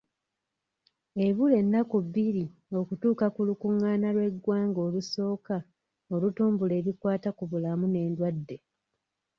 Ebula ennaku bbiri okutuuka ku lukungaana lw'eggwanga olusooka olutumbula ebikwata ku bulamu n'endwadde.